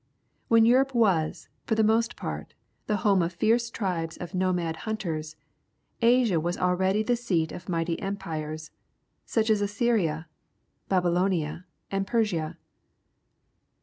When Europe was, for the most part, the home of fierce tribes of nomad hvmters, Asia was already the seat of mighty empires, such as Assyria, Babylonia, and Persia.